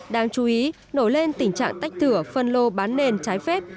đáng chú ý nổi lên tình trạng tách thửa phân lô bán nền trái phép